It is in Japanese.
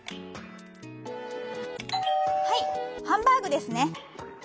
「はいハンバーグですね」。